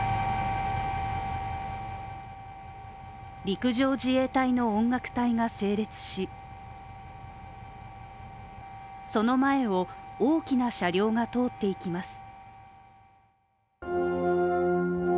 陸上自衛隊の音楽隊が整列しその前を大きな車両が通っていきます。